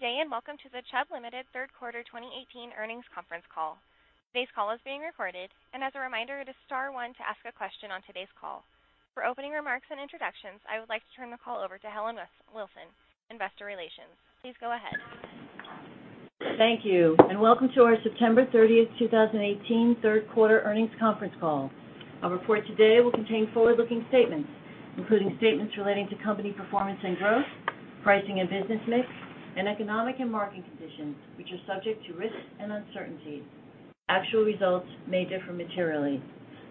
Good day, and welcome to the Chubb Limited third quarter 2018 earnings conference call. Today's call is being recorded, and as a reminder, it is star one to ask a question on today's call. For opening remarks and introductions, I would like to turn the call over to Helen Wilson, Investor Relations. Please go ahead. Thank you, and welcome to our September 30, 2018 third quarter earnings conference call. Our report today will contain forward-looking statements, including statements relating to company performance and growth, pricing and business mix, and economic and market conditions, which are subject to risks and uncertainties. Actual results may differ materially.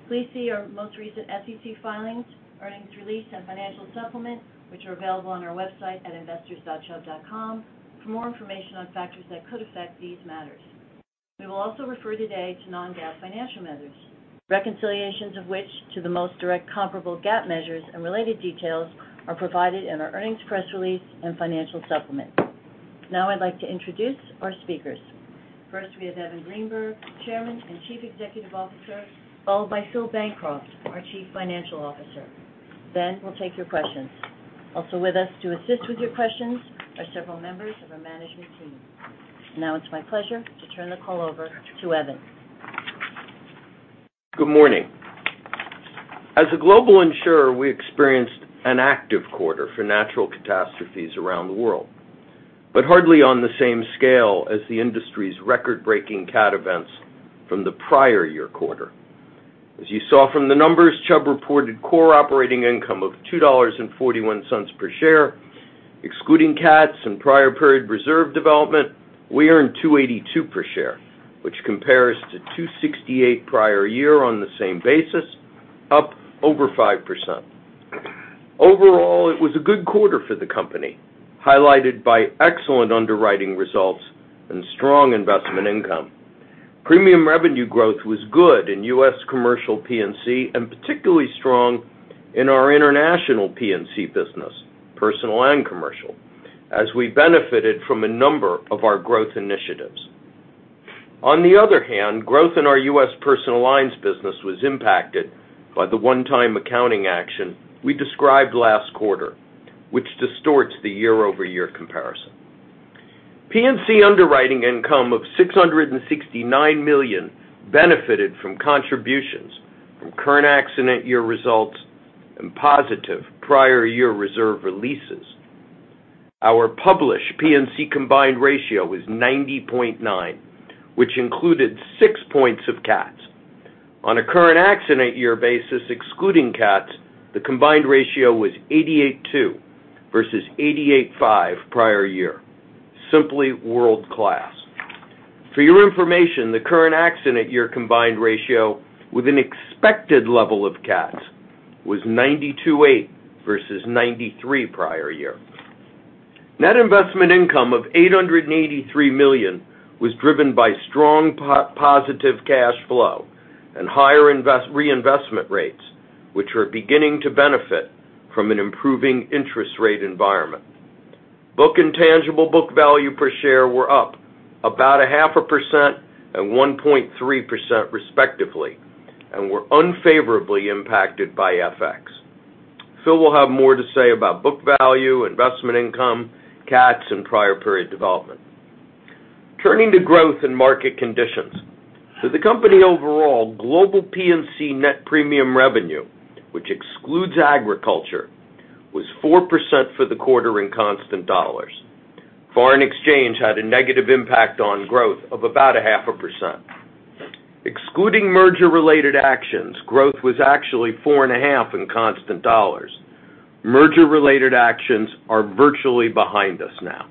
Please see our most recent SEC filings, earnings release, and financial supplement, which are available on our website at investors.chubb.com for more information on factors that could affect these matters. We will also refer today to non-GAAP financial measures, reconciliations of which to the most direct comparable GAAP measures and related details are provided in our earnings press release and financial supplement. I'd like to introduce our speakers. First, we have Evan G. Greenberg, Chairman and Chief Executive Officer, followed by Philip Bancroft, our Chief Financial Officer. We'll take your questions. Also with us to assist with your questions are several members of our management team. It's my pleasure to turn the call over to Evan. Good morning. As a global insurer, we experienced an active quarter for natural catastrophes around the world, but hardly on the same scale as the industry's record-breaking cat events from the prior year quarter. As you saw from the numbers, Chubb reported core operating income of $2.41 per share. Excluding cats and prior period reserve development, we earned $2.82 per share, which compares to $2.68 prior year on the same basis, up over 5%. Overall, it was a good quarter for the company, highlighted by excellent underwriting results and strong investment income. Premium revenue growth was good in U.S. commercial P&C, and particularly strong in our international P&C business, personal and commercial, as we benefited from a number of our growth initiatives. On the other hand, growth in our U.S. personal lines business was impacted by the one-time accounting action we described last quarter, which distorts the year-over-year comparison. P&C underwriting income of $669 million benefited from contributions from current accident year results and positive prior year reserve releases. Our published P&C combined ratio was 90.9, which included six points of cats. On a current accident year basis, excluding cats, the combined ratio was 88.2 versus 88.5 prior year. Simply world-class. For your information, the current accident year combined ratio with an expected level of cats was 92.8 versus 93 prior year. Net investment income of $883 million was driven by strong positive cash flow and higher reinvestment rates, which are beginning to benefit from an improving interest rate environment. Book and tangible book value per share were up about 0.5% and 1.3% respectively, and were unfavorably impacted by FX. Phil will have more to say about book value, investment income, cats, and prior period development. Turning to growth and market conditions. For the company overall, global P&C net premium revenue, which excludes agriculture, was 4% for the quarter in constant dollars. Foreign exchange had a negative impact on growth of about 0.5%. Excluding merger-related actions, growth was actually 4.5% in constant dollars. Merger-related actions are virtually behind us now.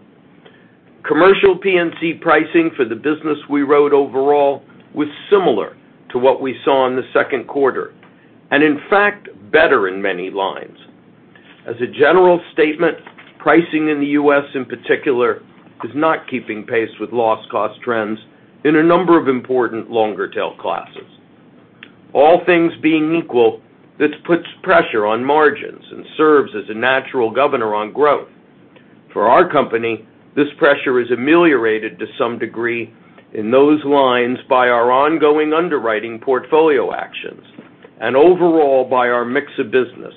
Commercial P&C pricing for the business we wrote overall was similar to what we saw in the second quarter, and in fact, better in many lines. As a general statement, pricing in the U.S. in particular is not keeping pace with loss cost trends in a number of important longer-tail classes. All things being equal, this puts pressure on margins and serves as a natural governor on growth. For our company, this pressure is ameliorated to some degree in those lines by our ongoing underwriting portfolio actions and overall by our mix of business,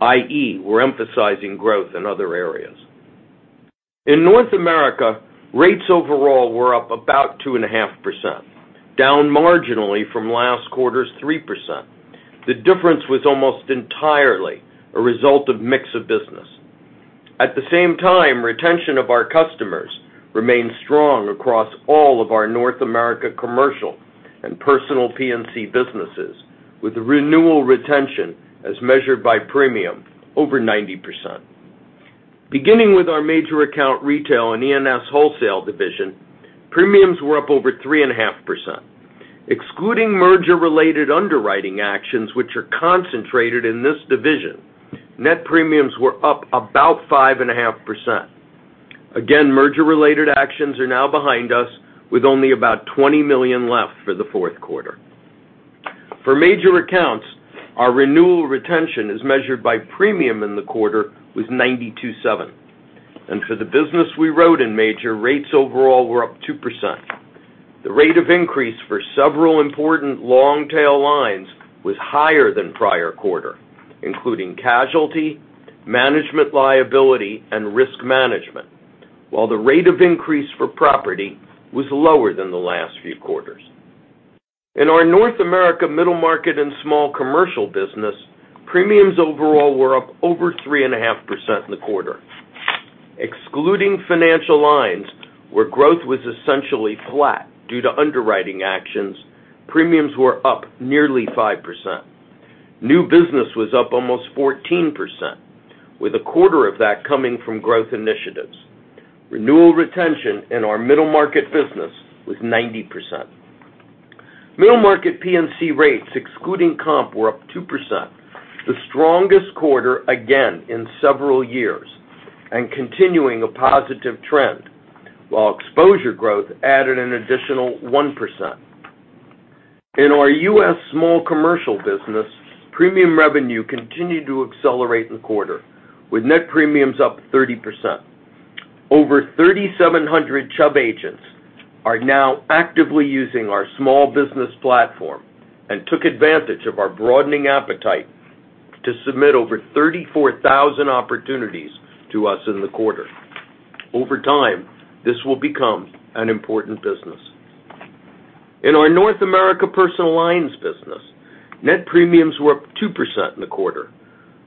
i.e., we're emphasizing growth in other areas. In North America, rates overall were up about 2.5%, down marginally from last quarter's 3%. The difference was almost entirely a result of mix of business. At the same time, retention of our customers remained strong across all of our North America commercial and personal P&C businesses, with the renewal retention as measured by premium over 90%. Beginning with our major account retail and E&S wholesale division, premiums were up over 3.5%. Excluding merger-related underwriting actions, which are concentrated in this division, net premiums were up about 5.5%. Merger-related actions are now behind us, with only about $20 million left for the fourth quarter. For major accounts, our renewal retention as measured by premium in the quarter was 92.7. For the business we wrote in major, rates overall were up 2%. The rate of increase for several important long-tail lines was higher than prior quarter, including casualty, management liability, and risk management, while the rate of increase for property was lower than the last few quarters. In our North America middle market and small commercial business, premiums overall were up over 3.5% in the quarter. Excluding financial lines, where growth was essentially flat due to underwriting actions, premiums were up nearly 5%. New business was up almost 14%, with a quarter of that coming from growth initiatives. Renewal retention in our middle market business was 90%. Middle market P&C rates, excluding comp, were up 2%, the strongest quarter again in several years, and continuing a positive trend, while exposure growth added an additional 1%. In our U.S. small commercial business, premium revenue continued to accelerate in the quarter, with net premiums up 30%. Over 3,700 Chubb agents are now actively using our small business platform and took advantage of our broadening appetite to submit over 34,000 opportunities to us in the quarter. Over time, this will become an important business. In our North America personal lines business, net premiums were up 2% in the quarter.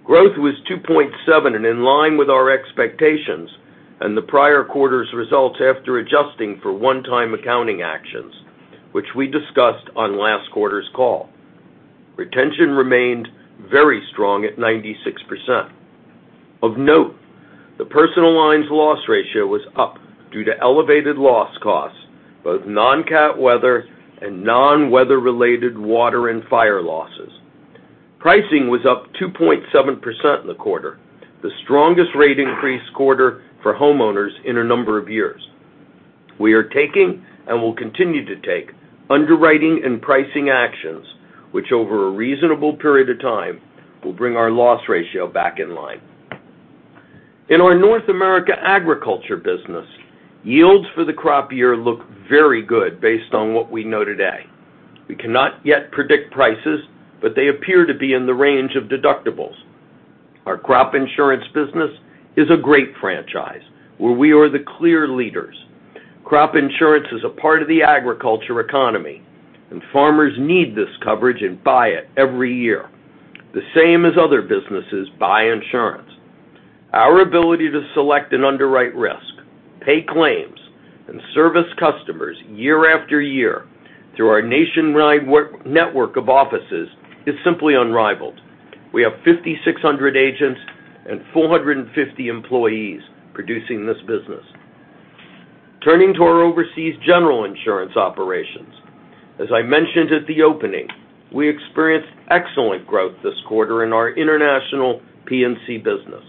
Growth was 2.7% and in line with our expectations and the prior quarter's results after adjusting for one-time accounting actions, which we discussed on last quarter's call. Retention remained very strong at 96%. Of note, the personal lines loss ratio was up due to elevated loss costs, both non-cat weather and non-weather-related water and fire losses. Pricing was up 2.7% in the quarter, the strongest rate increase quarter for homeowners in a number of years. We are taking, and will continue to take, underwriting and pricing actions which, over a reasonable period of time, will bring our loss ratio back in line. In our North America agriculture business, yields for the crop year look very good based on what we know today. We cannot yet predict prices, but they appear to be in the range of deductibles. Our crop insurance business is a great franchise, where we are the clear leaders. Crop insurance is a part of the agriculture economy, and farmers need this coverage and buy it every year, the same as other businesses buy insurance. Our ability to select and underwrite risk, pay claims, and service customers year after year through our nationwide network of offices is simply unrivaled. We have 5,600 agents and 450 employees producing this business. Turning to our Overseas General Insurance operations. As I mentioned at the opening, we experienced excellent growth this quarter in our international P&C business.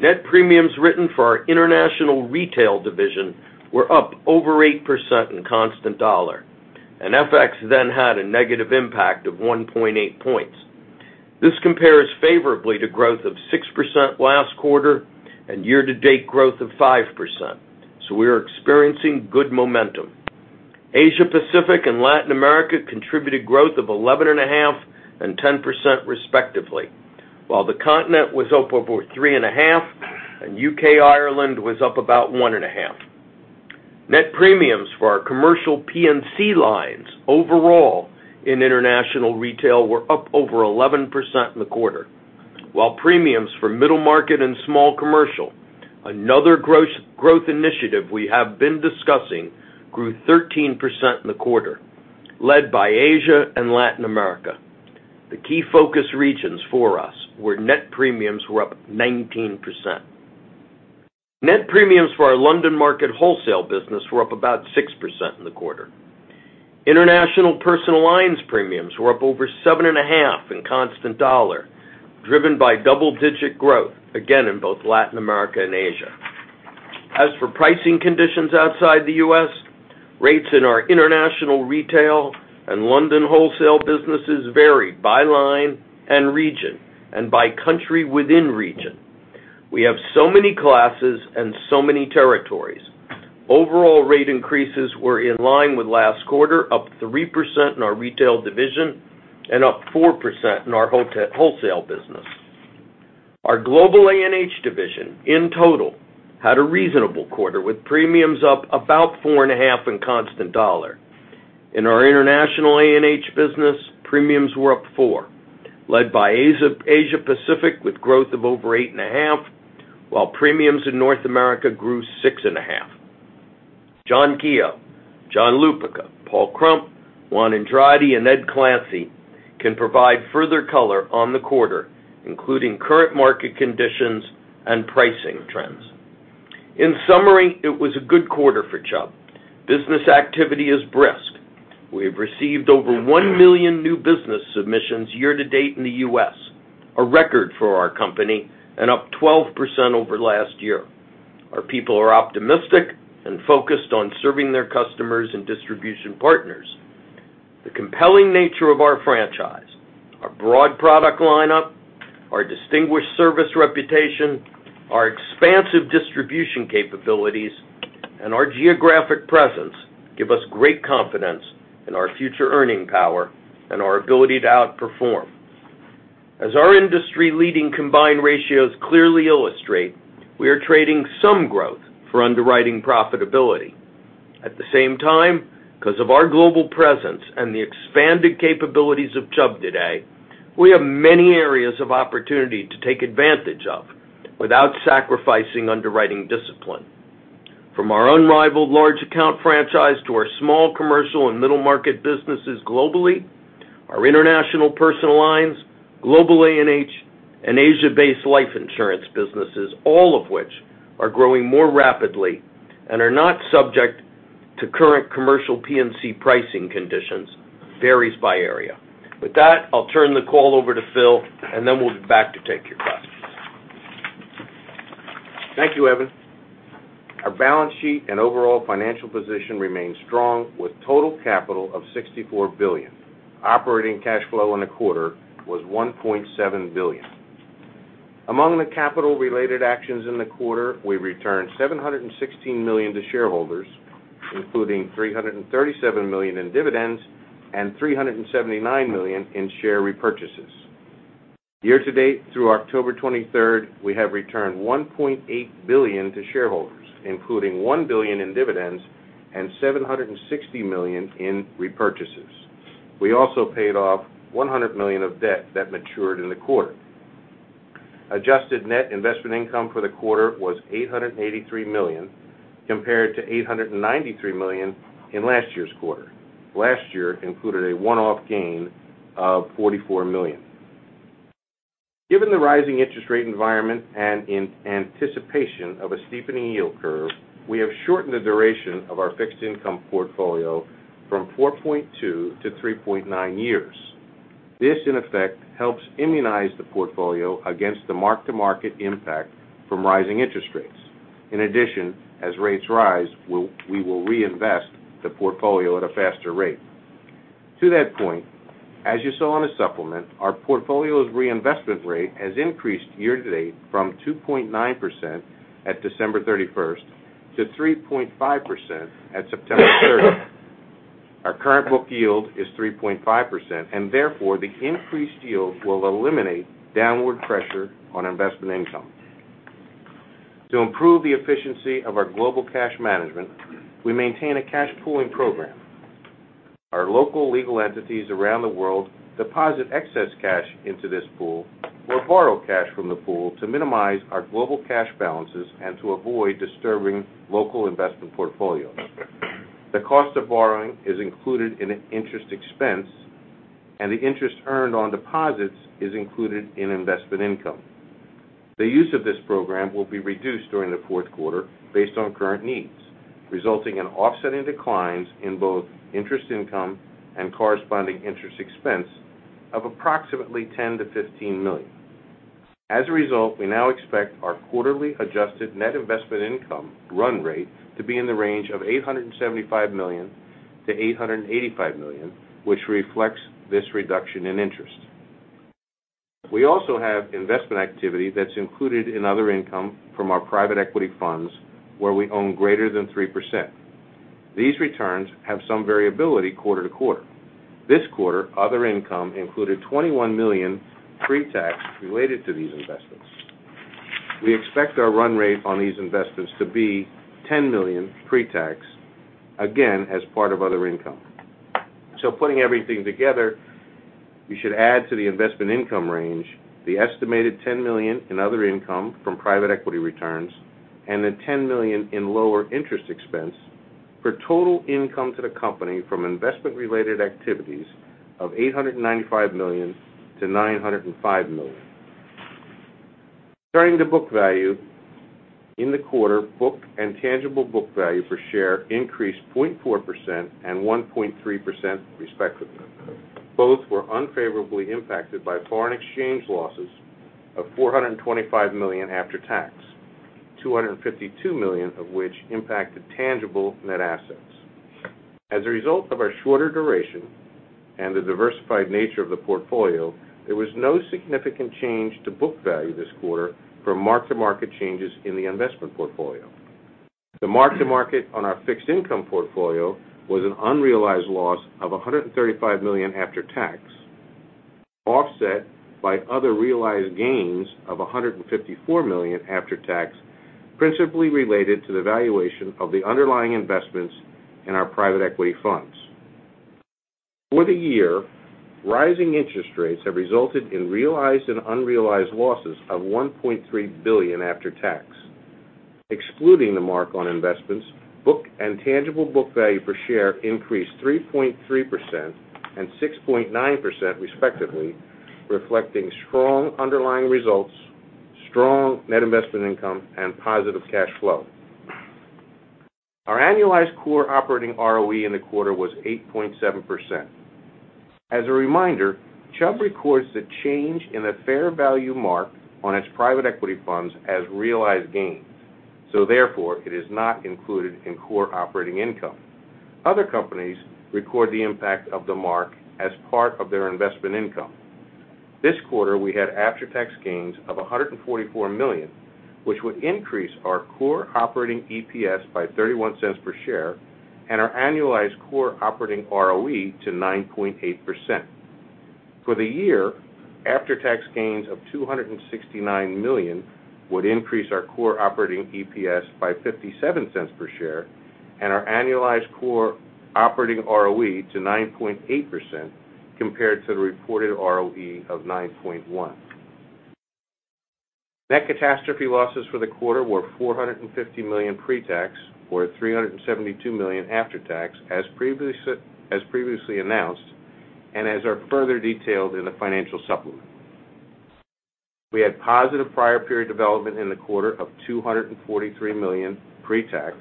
Net premiums written for our International Retail division were up over 8% in constant dollar. FX had a negative impact of 1.8 points. This compares favorably to growth of 6% last quarter and year-to-date growth of 5%. We are experiencing good momentum. Asia Pacific and Latin America contributed growth of 11.5% and 10%, respectively. While the continent was up about 3.5% and U.K., Ireland was up about 1.5%. Net premiums for our commercial P&C lines overall in International Retail were up over 11% in the quarter, while premiums for middle market and small commercial, another growth initiative we have been discussing, grew 13% in the quarter, led by Asia and Latin America. The key focus regions for us were net premiums were up 19%. Net premiums for our London market wholesale business were up about 6% in the quarter. International Personal Lines premiums were up over 7.5% in constant dollar, driven by double-digit growth, again in both Latin America and Asia. As for pricing conditions outside the U.S., rates in our International Retail and London wholesale businesses vary by line and region, and by country within region. We have so many classes and so many territories. Overall rate increases were in line with last quarter, up 3% in our retail division and up 4% in our wholesale business. Our Global A&H division, in total, had a reasonable quarter, with premiums up about 4.5% in constant dollar. In our International A&H business, premiums were up 4%, led by Asia Pacific with growth of over 8.5%, while premiums in North America grew 6.5%. John Keogh, John Lupica, Paul Krump, Juan Andrade, and Ed Clancy can provide further color on the quarter, including current market conditions and pricing trends. In summary, it was a good quarter for Chubb. Business activity is brisk. We have received over 1 million new business submissions year to date in the U.S., a record for our company, and up 12% over last year. Our people are optimistic and focused on serving their customers and distribution partners. The compelling nature of our franchise, our broad product lineup, our distinguished service reputation, our expansive distribution capabilities, and our geographic presence give us great confidence in our future earning power and our ability to outperform. As our industry-leading combined ratios clearly illustrate, we are trading some growth for underwriting profitability. At the same time, because of our global presence and the expanded capabilities of Chubb today, we have many areas of opportunity to take advantage of without sacrificing underwriting discipline. From our unrivaled large account franchise to our small commercial and middle-market businesses globally, our international personal lines, global A&H, and Asia-based life insurance businesses, all of which are growing more rapidly and are not subject to current commercial P&C pricing conditions, varies by area. With that, I'll turn the call over to Phil. Then we'll be back to take your questions. Thank you, Evan. Our balance sheet and overall financial position remains strong with total capital of $64 billion. Operating cash flow in the quarter was $1.7 billion. Among the capital-related actions in the quarter, we returned $716 million to shareholders, including $337 million in dividends and $379 million in share repurchases. Year to date, through October 23rd, we have returned $1.8 billion to shareholders, including $1 billion in dividends and $760 million in repurchases. We also paid off $100 million of debt that matured in the quarter. Adjusted net investment income for the quarter was $883 million, compared to $893 million in last year's quarter. Last year included a one-off gain of $44 million. Given the rising interest rate environment and in anticipation of a steepening yield curve, we have shortened the duration of our fixed income portfolio from 4.2 to 3.9 years. This, in effect, helps immunize the portfolio against the mark-to-market impact from rising interest rates. In addition, as rates rise, we will reinvest the portfolio at a faster rate. To that point, as you saw in the supplement, our portfolio's reinvestment rate has increased year to date from 2.9% at December 31st to 3.5% at September 30th. Our current book yield is 3.5%. Therefore, the increased yield will eliminate downward pressure on investment income. To improve the efficiency of our global cash management, we maintain a cash pooling program. Our local legal entities around the world deposit excess cash into this pool or borrow cash from the pool to minimize our global cash balances and to avoid disturbing local investment portfolios. The cost of borrowing is included in interest expense, and the interest earned on deposits is included in investment income. The use of this program will be reduced during the fourth quarter based on current needs, resulting in offsetting declines in both interest income and corresponding interest expense of approximately $10 million-$15 million. As a result, we now expect our quarterly adjusted net investment income run rate to be in the range of $875 million-$885 million, which reflects this reduction in interest. We also have investment activity that's included in other income from our private equity funds, where we own greater than 3%. These returns have some variability quarter to quarter. This quarter, other income included $21 million pre-tax related to these investments. We expect our run rate on these investments to be $10 million pre-tax, again, as part of other income. Putting everything together, you should add to the investment income range the estimated $10 million in other income from private equity returns and the $10 million in lower interest expense for total income to the company from investment-related activities of $895 million-$905 million. Turning to book value, in the quarter, book and tangible book value per share increased 0.4% and 1.3% respectively. Both were unfavorably impacted by foreign exchange losses of $425 million after tax, $252 million of which impacted tangible net assets. As a result of our shorter duration and the diversified nature of the portfolio, there was no significant change to book value this quarter from mark-to-market changes in the investment portfolio. The mark to market on our fixed income portfolio was an unrealized loss of $135 million after tax, offset by other realized gains of $154 million after tax, principally related to the valuation of the underlying investments in our private equity funds. For the year, rising interest rates have resulted in realized and unrealized losses of $1.3 billion after tax. Excluding the mark on investments, book and tangible book value per share increased 3.3% and 6.9% respectively, reflecting strong underlying results, strong net investment income, and positive cash flow. Our annualized core operating ROE in the quarter was 8.7%. As a reminder, Chubb records the change in the fair value mark on its private equity funds as realized gains, so therefore, it is not included in core operating income. Other companies record the impact of the mark as part of their investment income. This quarter, we had after-tax gains of $144 million, which would increase our core operating EPS by $0.31 per share and our annualized core operating ROE to 9.8%. For the year, after-tax gains of $269 million would increase our core operating EPS by $0.57 per share and our annualized core operating ROE to 9.8% compared to the reported ROE of 9.1%. Net catastrophe losses for the quarter were $450 million pre-tax or $372 million after tax, as previously announced, and as are further detailed in the financial supplement. We had positive prior period development in the quarter of $243 million pre-tax.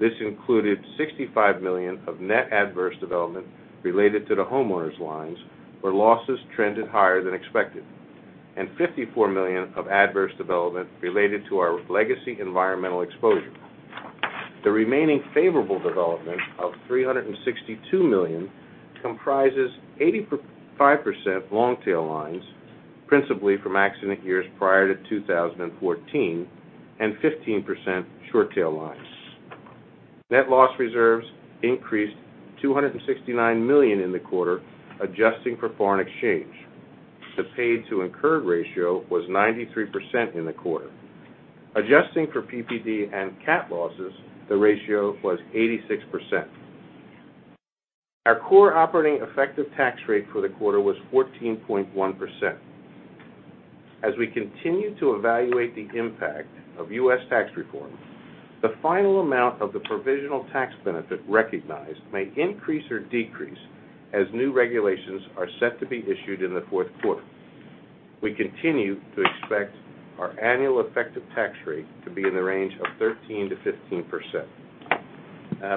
This included $65 million of net adverse development related to the homeowners lines, where losses trended higher than expected, and $54 million of adverse development related to our legacy environmental exposure. The remaining favorable development of $362 million comprises 85% long-tail lines, principally from accident years prior to 2014, and 15% short-tail lines. Net loss reserves increased to $269 million in the quarter, adjusting for foreign exchange. The paid to incurred ratio was 93% in the quarter. Adjusting for PPD and cat losses, the ratio was 86%. Our core operating effective tax rate for the quarter was 14.1%. As we continue to evaluate the impact of U.S. tax reform, the final amount of the provisional tax benefit recognized may increase or decrease as new regulations are set to be issued in the fourth quarter. We continue to expect our annual effective tax rate to be in the range of 13%-15%.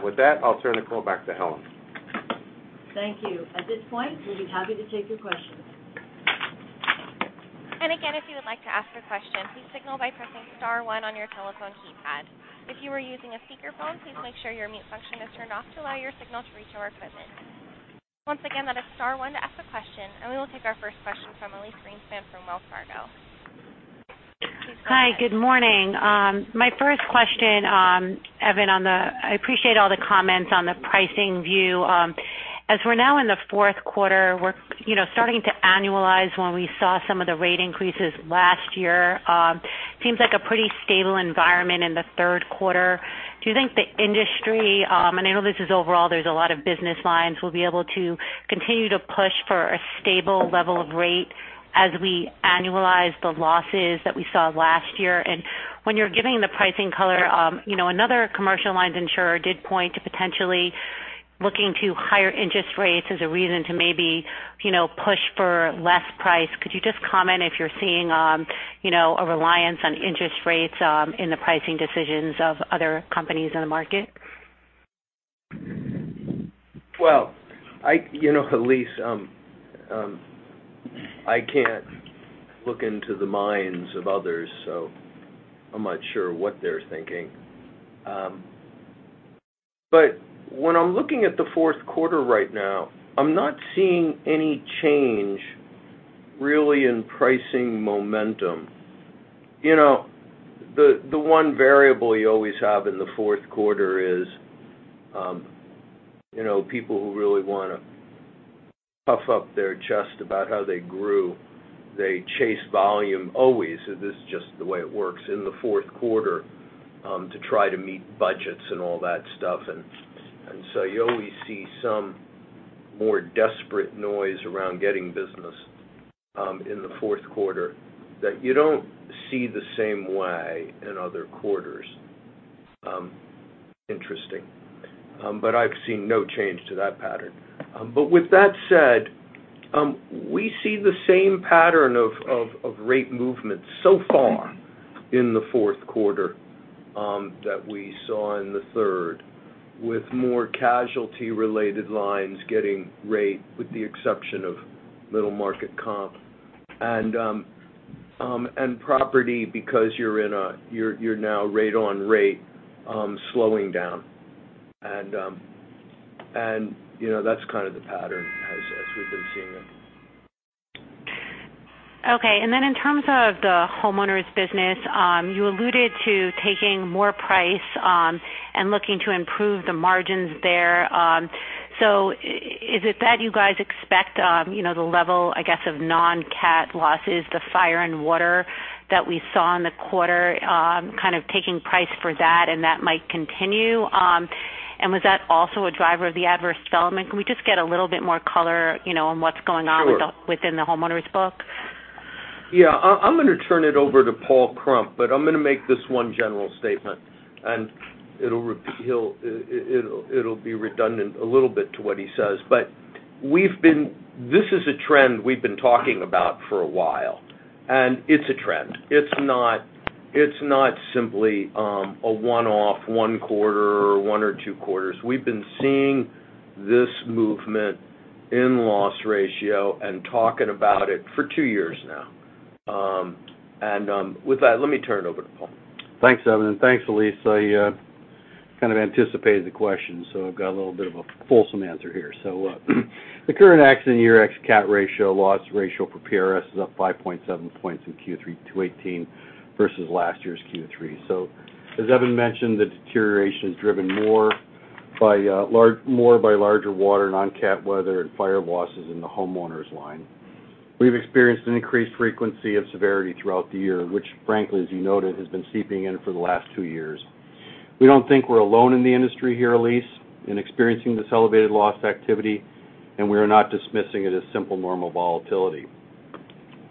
With that, I'll turn the call back to Helen. Thank you. At this point, we'll be happy to take your questions. Again, if you would like to ask a question, please signal by pressing star one on your telephone keypad. If you are using a speakerphone, please make sure your mute function is turned off to allow your signal to reach our equipment. Once again, that is star one to ask a question. We will take our first question from Elyse Greenspan from Wells Fargo. Please go ahead. Hi. Good morning. My first question, Evan, I appreciate all the comments on the pricing view. As we're now in the fourth quarter, we're starting to annualize when we saw some of the rate increases last year. Seems like a pretty stable environment in the third quarter. Do you think the industry, and I know this is overall, there's a lot of business lines, will be able to continue to push for a stable level of rate as we annualize the losses that we saw last year? When you're giving the pricing color, another commercial lines insurer did point to potentially looking to higher interest rates as a reason to maybe push for less price. Could you just comment if you're seeing a reliance on interest rates in the pricing decisions of other companies in the market? Well, Elyse, I can't look into the minds of others, so I'm not sure what they're thinking. When I'm looking at the fourth quarter right now, I'm not seeing any change really in pricing momentum. The one variable you always have in the fourth quarter is people who really want to puff up their chest about how they grew. They chase volume always, this is just the way it works, in the fourth quarter to try to meet budgets and all that stuff. You always see some more desperate noise around getting business in the fourth quarter that you don't see the same way in other quarters. Interesting. I've seen no change to that pattern. With that said, we see the same pattern of rate movements so far in the fourth quarter that we saw in the third, with more casualty related lines getting rate with the exception of middle market comp and property because you're now rate on rate slowing down. That's kind of the pattern as we've been seeing it. Okay, in terms of the homeowners business, you alluded to taking more price and looking to improve the margins there. Is it that you guys expect the level, I guess, of non-cat losses, the fire and water that we saw in the quarter, kind of taking price for that and that might continue? Was that also a driver of the adverse development? Can we just get a little bit more color on what's going on? Sure within the homeowners book? Yeah. I'm going to turn it over to Paul Krump. I'm going to make this one general statement. It'll be redundant a little bit to what he says. This is a trend we've been talking about for a while, and it's a trend. It's not It's not simply a one-off one quarter or one or two quarters. We've been seeing this movement in loss ratio and talking about it for two years now. With that, let me turn it over to Paul. Thanks, Evan. Thanks, Elyse. I kind of anticipated the question. I've got a little bit of a fulsome answer here. The current accident year ex-CAT ratio, loss ratio for PRS is up 5.7 points in Q3 2018 versus last year's Q3. As Evan mentioned, the deterioration is driven more by larger water and un-CAT weather and fire losses in the homeowners line. We've experienced an increased frequency of severity throughout the year, which frankly, as you noted, has been seeping in for the last two years. We don't think we're alone in the industry here, Elyse, in experiencing this elevated loss activity. We are not dismissing it as simple normal volatility.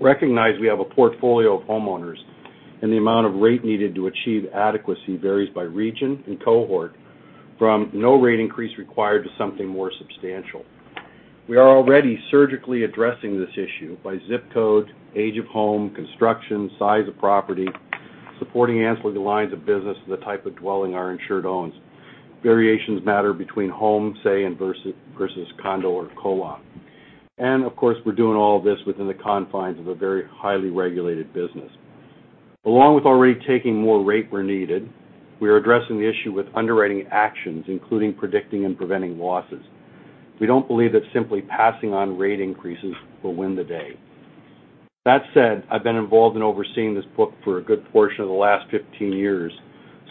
Recognize we have a portfolio of homeowners. The amount of rate needed to achieve adequacy varies by region and cohort, from no rate increase required to something more substantial. We are already surgically addressing this issue by ZIP code, age of home, construction, size of property, supporting ancillary lines of business, and the type of dwelling our insured owns. Variations matter between home, say, versus condo or co-op. Of course, we're doing all of this within the confines of a very highly regulated business. Along with already taking more rate where needed, we are addressing the issue with underwriting actions, including predicting and preventing losses. We don't believe that simply passing on rate increases will win the day. That said, I've been involved in overseeing this book for a good portion of the last 15 years,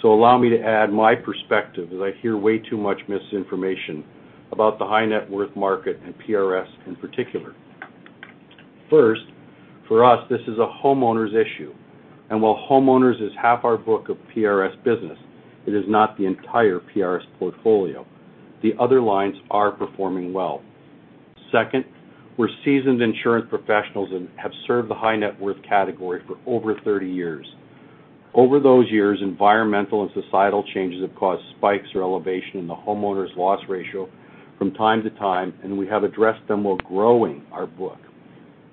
so allow me to add my perspective, as I hear way too much misinformation about the high net worth market and PRS in particular. First, for us, this is a homeowners issue, and while homeowners is half our book of PRS business, it is not the entire PRS portfolio. The other lines are performing well. Second, we're seasoned insurance professionals and have served the high net worth category for over 30 years. Over those years, environmental and societal changes have caused spikes or elevation in the homeowners' loss ratio from time to time, and we have addressed them while growing our book.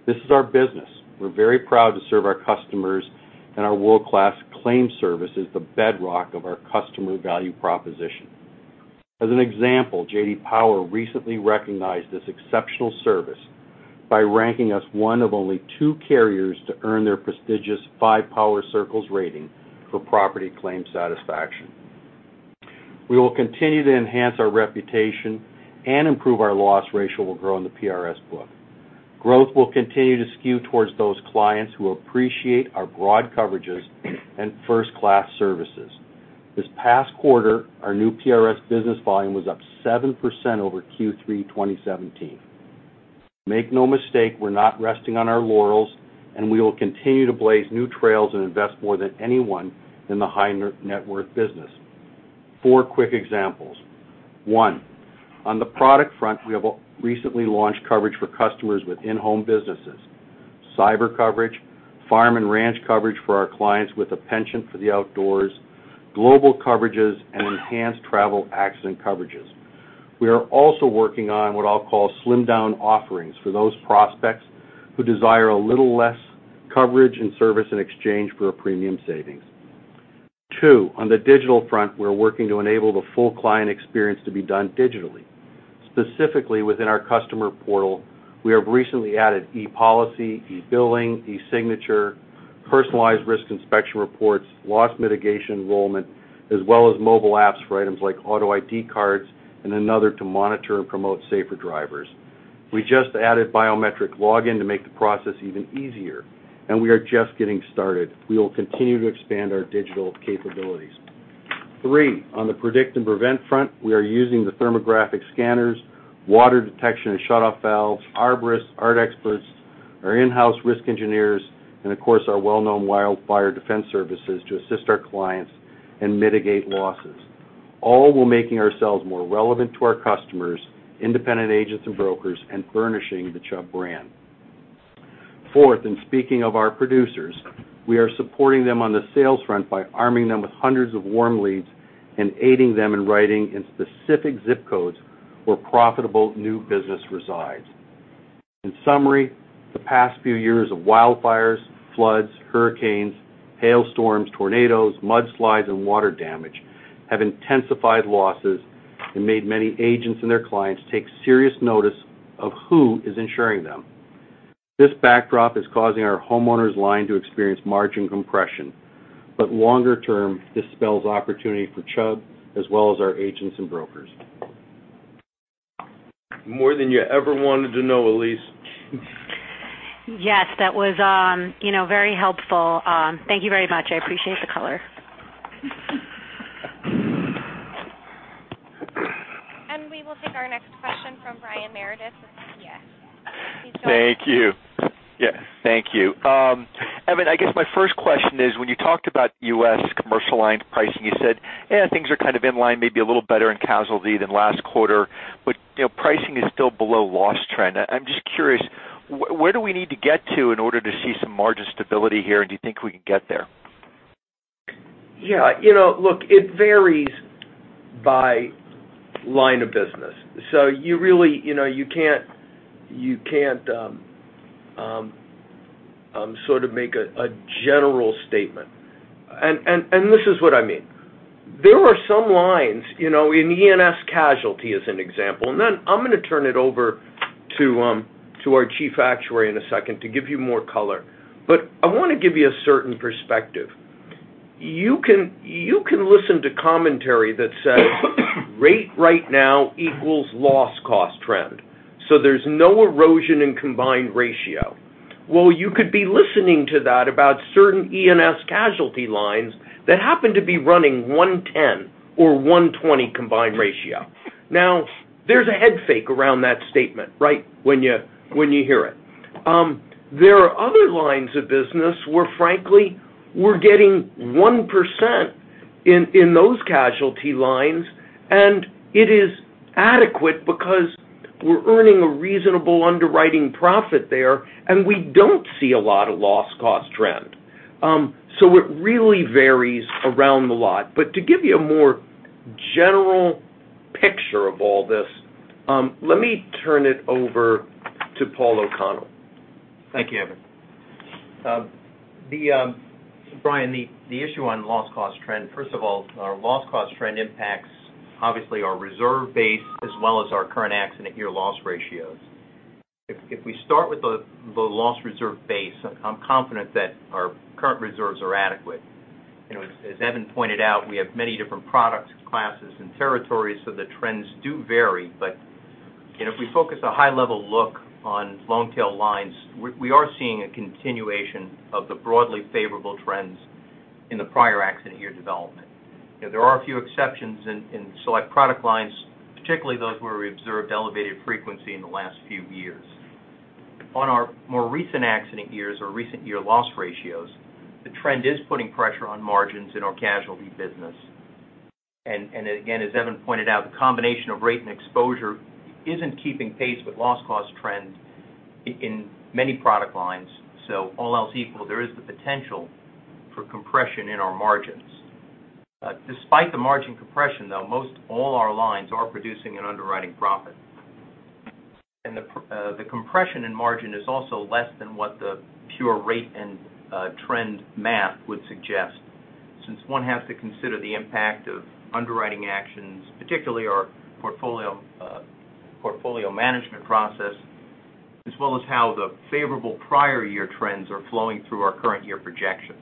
This is our business. We're very proud to serve our customers, and our world-class claim service is the bedrock of our customer value proposition. As an example, J.D. Power recently recognized this exceptional service by ranking us one of only two carriers to earn their prestigious Power Circle Ratings rating for property claim satisfaction. We will continue to enhance our reputation and improve our loss ratio while growing the PRS book. Growth will continue to skew towards those clients who appreciate our broad coverages and first-class services. This past quarter, our new PRS business volume was up 7% over Q3 2017. Make no mistake, we're not resting on our laurels, and we will continue to blaze new trails and invest more than anyone in the high net worth business. Four quick examples. One, on the product front, we have recently launched coverage for customers with in-home businesses, cyber coverage, farm and ranch coverage for our clients with a penchant for the outdoors, global coverages, and enhanced travel accident coverages. We are also working on what I'll call slimmed-down offerings for those prospects who desire a little less coverage and service in exchange for a premium savings. Two, on the digital front, we're working to enable the full client experience to be done digitally. Specifically, within our customer portal, we have recently added e-policy, e-billing, e-signature, personalized risk inspection reports, loss mitigation enrollment, as well as mobile apps for items like auto ID cards and another to monitor and promote safer drivers. We just added biometric login to make the process even easier. We are just getting started. We will continue to expand our digital capabilities. Three, on the predict and prevent front, we are using the thermographic scanners, water detection and shutoff valves, arborists, art experts, our in-house risk engineers, and of course, our well-known wildfire defense services to assist our clients and mitigate losses, all while making ourselves more relevant to our customers, independent agents, and brokers, and burnishing the Chubb brand. Fourth, speaking of our producers, we are supporting them on the sales front by arming them with hundreds of warm leads and aiding them in writing in specific ZIP codes where profitable new business resides. In summary, the past few years of wildfires, floods, hurricanes, hailstorms, tornadoes, mudslides, and water damage have intensified losses and made many agents and their clients take serious notice of who is insuring them. This backdrop is causing our homeowners line to experience margin compression, but longer term, this spells opportunity for Chubb as well as our agents and brokers. More than you ever wanted to know, Elyse? Yes, that was very helpful. Thank you very much. I appreciate the color. We will take our next question from Brian Meredith with UBS. Please go ahead. Thank you. Yeah. Thank you. Evan, I guess my first question is, when you talked about U.S. commercial lines pricing, you said things are kind of in line, maybe a little better in casualty than last quarter, but pricing is still below loss trend. I'm just curious, where do we need to get to in order to see some margin stability here, and do you think we can get there? Yeah. Look, it varies by line of business. You really can't make a general statement. This is what I mean. There are some lines in E&S casualty as an example. Then I'm going to turn it over to our Chief Actuary in a second to give you more color. I want to give you a certain perspective. You can listen to commentary that says rate right now equals loss cost trend, so there's no erosion in combined ratio. Well, you could be listening to that about certain E&S casualty lines that happen to be running 110 or 120 combined ratio. Now, there's a head fake around that statement when you hear it. There are other lines of business where, frankly, we're getting 1% in those casualty lines, and it is adequate because we're earning a reasonable underwriting profit there, and we don't see a lot of loss cost trend. It really varies around a lot. To give you a more general picture of all this, let me turn it over to Paul O'Connell. Thank you, Evan. Brian, the issue on loss cost trend, first of all, our loss cost trend impacts obviously our reserve base as well as our current accident year loss ratios. If we start with the loss reserve base, I'm confident that our current reserves are adequate. As Evan pointed out, we have many different product classes and territories, the trends do vary. If we focus a high-level look on long-tail lines, we are seeing a continuation of the broadly favorable trends in the prior accident year development. There are a few exceptions in select product lines, particularly those where we observed elevated frequency in the last few years. On our more recent accident years or recent year loss ratios, the trend is putting pressure on margins in our casualty business. As Evan pointed out, the combination of rate and exposure isn't keeping pace with loss cost trends in many product lines. All else equal, there is the potential for compression in our margins. Despite the margin compression, though, most all our lines are producing an underwriting profit. The compression in margin is also less than what the pure rate and trend math would suggest, since one has to consider the impact of underwriting actions, particularly our portfolio management process, as well as how the favorable prior year trends are flowing through our current year projections.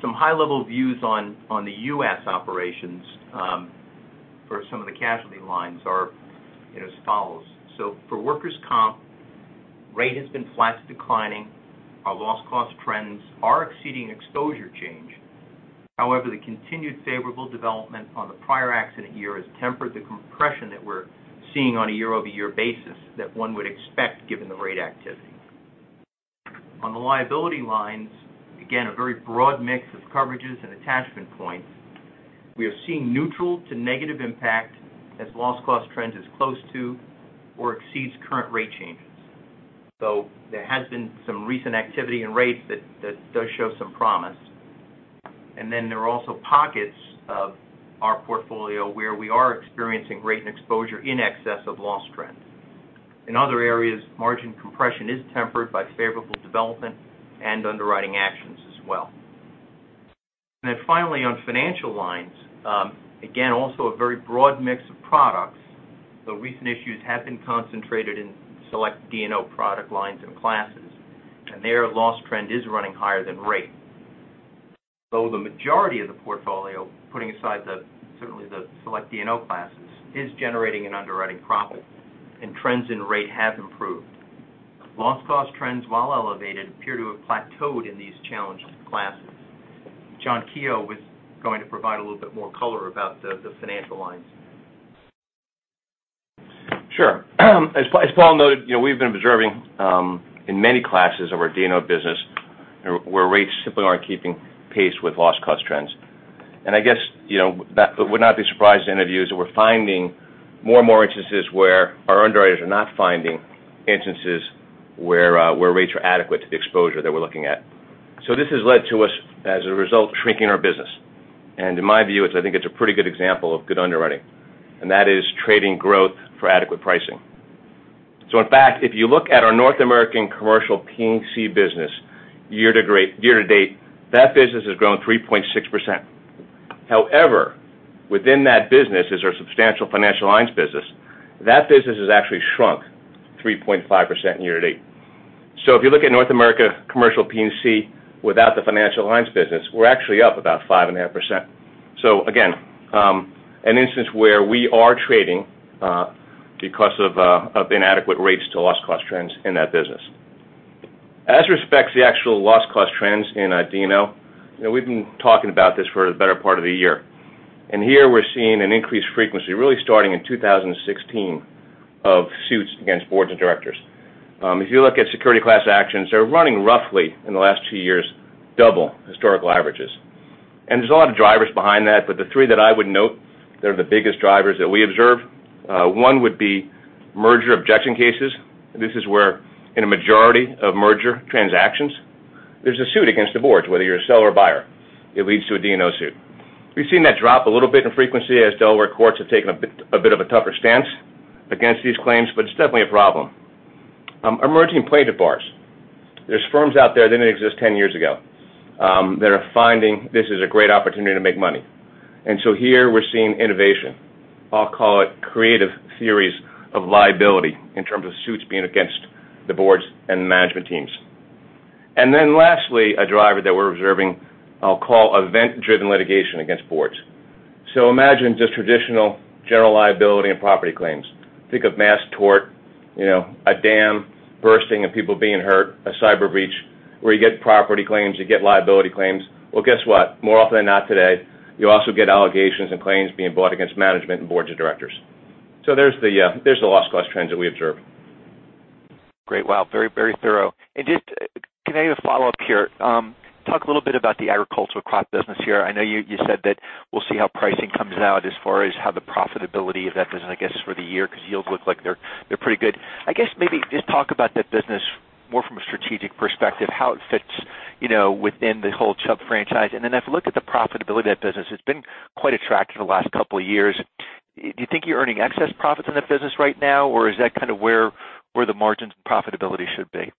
Some high-level views on the U.S. operations for some of the casualty lines are as follows. For workers' comp, rate has been flat to declining. Our loss cost trends are exceeding exposure change. However, the continued favorable development on the prior accident year has tempered the compression that we're seeing on a year-over-year basis that one would expect given the rate activity. On the liability lines, again, a very broad mix of coverages and attachment points. We are seeing neutral to negative impact as loss cost trends is close to or exceeds current rate changes. There has been some recent activity in rates that does show some promise. There are also pockets of our portfolio where we are experiencing rate and exposure in excess of loss trend. In other areas, margin compression is tempered by favorable development and underwriting actions as well. Finally, on financial lines, again, also a very broad mix of products, though recent issues have been concentrated in select D&O product lines and classes, and their loss trend is running higher than rate. Though the majority of the portfolio, putting aside certainly the select D&O classes, is generating an underwriting profit and trends in rate have improved. Loss cost trends, while elevated, appear to have plateaued in these challenged classes. John Keogh was going to provide a little bit more color about the financial lines. Sure. As Paul noted, we've been observing in many classes of our D&O business where rates simply aren't keeping pace with loss cost trends. I guess it would not be surprising to any of you that we're finding more and more instances where our underwriters are not finding instances where rates are adequate to the exposure that we're looking at. This has led to us, as a result, shrinking our business. In my view, I think it's a pretty good example of good underwriting, and that is trading growth for adequate pricing. In fact, if you look at our North American Commercial P&C business year to date, that business has grown 3.6%. However, within that business is our substantial financial lines business. That business has actually shrunk 3.5% year to date. If you look at North America Commercial P&C without the financial lines business, we're actually up about 5.5%. Again, an instance where we are trading because of inadequate rates to loss cost trends in that business. As respects the actual loss cost trends in D&O, we've been talking about this for the better part of the year. Here we're seeing an increased frequency, really starting in 2016, of suits against boards of directors. If you look at security class actions, they're running roughly in the last two years, double historical averages. There's a lot of drivers behind that, but the three that I would note, they're the biggest drivers that we observe. One would be merger objection cases. This is where in a majority of merger transactions, there's a suit against the boards, whether you're a seller or buyer. It leads to a D&O suit. We've seen that drop a little bit in frequency as Delaware courts have taken a bit of a tougher stance against these claims, but it's definitely a problem. Emerging plaintiff bars. There's firms out there that didn't exist 10 years ago, that are finding this is a great opportunity to make money. Here we're seeing innovation, I'll call it creative theories of liability in terms of suits being against the boards and management teams. Lastly, a driver that we're observing, I'll call event-driven litigation against boards. Imagine just traditional general liability and property claims. Think of mass tort, a dam bursting and people being hurt, a cyber breach where you get property claims, you get liability claims. Well, guess what? More often than not today, you also get allegations and claims being brought against management and boards of directors. There's the loss cost trends that we observe. Great. Wow. Very thorough. Just, can I get a follow-up here? Talk a little bit about the agricultural crop business here. I know you said that we'll see how pricing comes out as far as how the profitability of that business, I guess, for the year, because yields look like they're pretty good. I guess maybe just talk about that business more from a strategic perspective, how it fits within the whole Chubb franchise. If you look at the profitability of that business, it's been quite attractive the last couple of years. Do you think you're earning excess profits in that business right now, or is that kind of where the margins and profitability should be?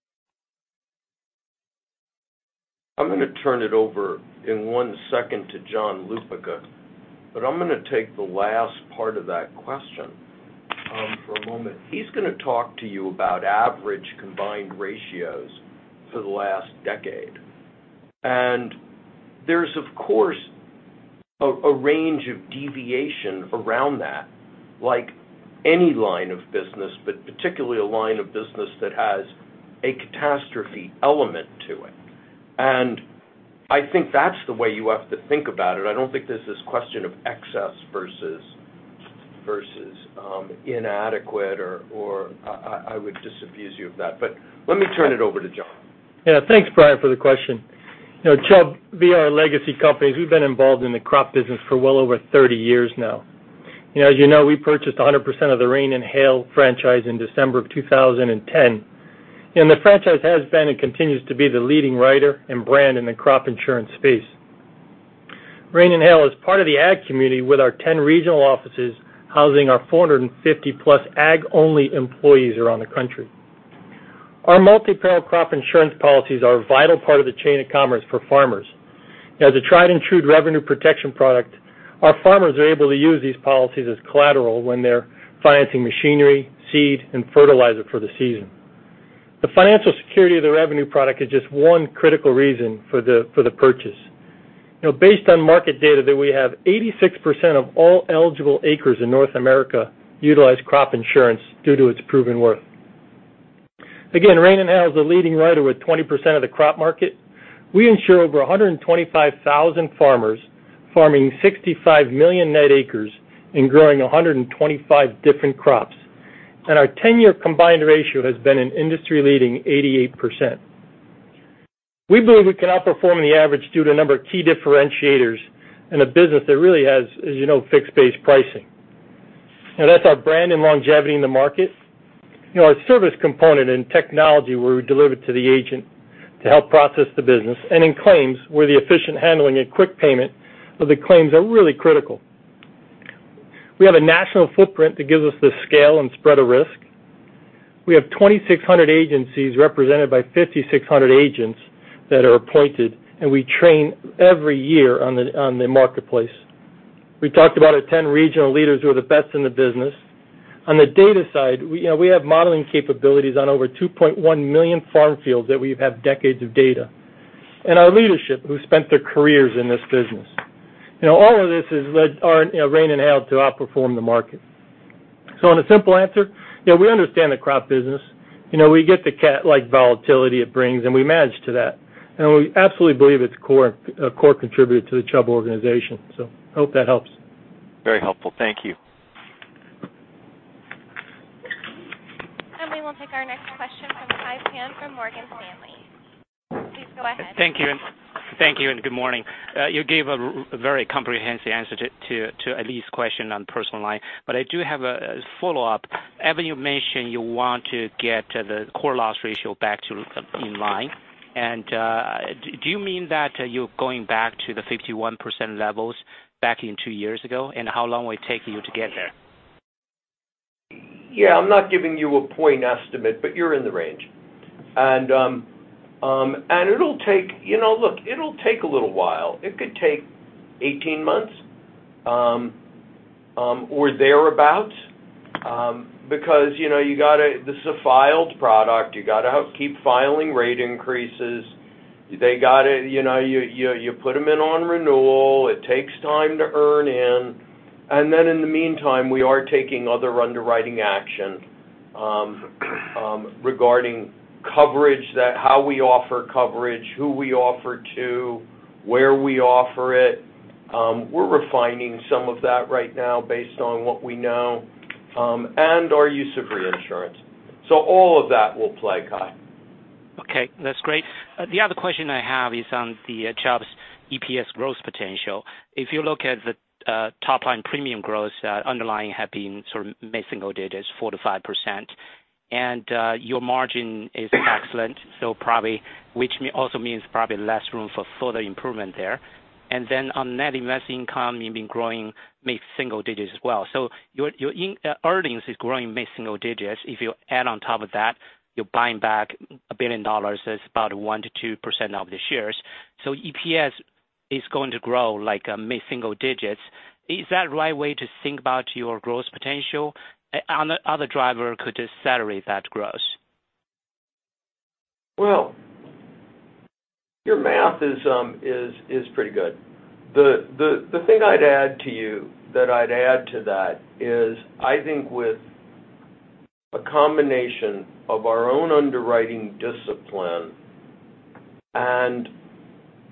I'm going to turn it over in one second to John Lupica, but I'm going to take the last part of that question for a moment. He's going to talk to you about average combined ratios for the last decade. There's, of course, a range of deviation around that, like any line of business, but particularly a line of business that has a catastrophe element to it. I think that's the way you have to think about it. I don't think there's this question of excess versus inadequate or I would disabuse you of that. Let me turn it over to John. Yeah, thanks, Brian, for the question. Chubb, via our legacy companies, we've been involved in the crop business for well over 30 years now. As you know, we purchased 100% of the Rain and Hail franchise in December of 2010. The franchise has been and continues to be the leading writer and brand in the crop insurance space. Rain and Hail is part of the ag community with our 10 regional offices housing our 450-plus ag only employees around the country. Our multi-peril crop insurance policies are a vital part of the chain of commerce for farmers. As a tried and true revenue protection product, our farmers are able to use these policies as collateral when they're financing machinery, seed, and fertilizer for the season. The financial security of the revenue product is just one critical reason for the purchase. Based on market data that we have, 86% of all eligible acres in North America utilize crop insurance due to its proven worth. Again, Rain and Hail is a leading writer with 20% of the crop market. We insure over 125,000 farmers farming 65 million net acres and growing 125 different crops. Our 10-year combined ratio has been an industry-leading 88%. We believe we can outperform the average due to a number of key differentiators in a business that really has fixed base pricing. That's our brand and longevity in the market. Our service component and technology we deliver to the agent to help process the business, and in claims, where the efficient handling and quick payment of the claims are really critical. We have a national footprint that gives us the scale and spread of risk. We have 2,600 agencies represented by 5,600 agents that are appointed, and we train every year on the marketplace. We talked about our 10 regional leaders who are the best in the business. On the data side, we have modeling capabilities on over 2.1 million farm fields that we have decades of data. Our leadership who spent their careers in this business. All of this has led Rain and Hail to outperform the market. On a simple answer, we understand the crop business. We get the cat-like volatility it brings, and we manage to that. We absolutely believe it's a core contributor to the Chubb organization. I hope that helps. Very helpful. Thank you. we will take our next question from Kai Pan from Morgan Stanley. Please go ahead. Thank you, good morning. You gave a very comprehensive answer to Elyse's question on personal line, but I do have a follow-up. Evan, you mentioned you want to get the core loss ratio back to in line. Do you mean that you're going back to the 51% levels back in two years ago? How long will it take you to get there? Yeah, I'm not giving you a point estimate, but you're in the range. It'll take a little while. It could take 18 months, or thereabout. Because this is a filed product. You got to keep filing rate increases. You put them in on renewal. It takes time to earn in. Then in the meantime, we are taking other underwriting action regarding coverage, how we offer coverage, who we offer to, where we offer it. We're refining some of that right now based on what we know, and our use of reinsurance. All of that will play, Kai. Okay, that's great. The other question I have is on Chubb's EPS growth potential. If you look at the top line premium growth, underlying have been mid-single digits, 4%-5%. Your margin is excellent, which also means probably less room for further improvement there. On net investing income, you've been growing mid-single digits as well. Your earnings is growing mid-single digits. If you add on top of that, you're buying back $1 billion is about 1%-2% of the shares. EPS is going to grow like mid-single digits. Is that right way to think about your growth potential? Other driver could accelerate that growth? Well, your math is pretty good. The thing I'd add to that is, I think with a combination of our own underwriting discipline and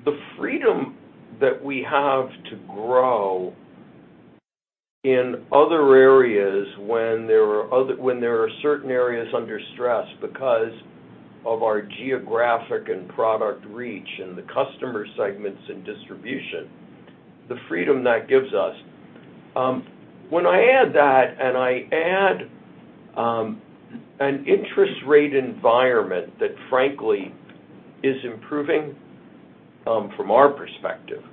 the freedom that we have to grow in other areas when there are certain areas under stress because of our geographic and product reach and the customer segments and distribution, the freedom that gives us. When I add that and I add an interest rate environment that frankly is improving from our perspective,